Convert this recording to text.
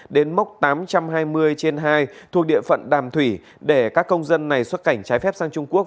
đến mốc tám trăm hai mươi trên hai thuộc địa phận đàm thủy để các công dân này xuất cảnh trái phép sang trung quốc